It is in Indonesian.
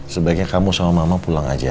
sebaiknya kamu sama mama pulang aja